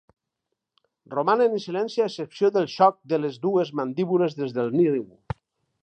Romanen en silenci a excepció del xoc de les dues mandíbules des del niu.